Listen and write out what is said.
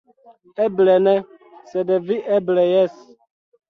Eble ne, sed vi eble jes".